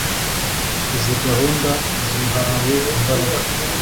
izi gahunda zihawe imbaraga